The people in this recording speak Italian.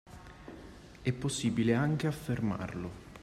È possibile anche affermarlo